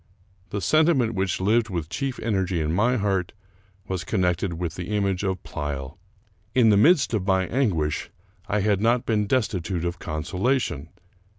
The sentiment which lived with chief energy in my heart was connected with the image of Pleyel. In the midst of my anguish, I had not been destitute of con solation.